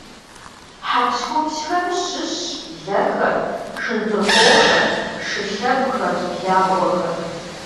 Хьэпщхупщхэм щыщщ блэхэр, шындрыхъуохэр, шылъэгухэр, благъуэхэр.